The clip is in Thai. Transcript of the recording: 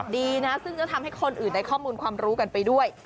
ดีนะซึ่งจะทำให้คนอื่นได้ข้อมูลความรู้กันไปด้วย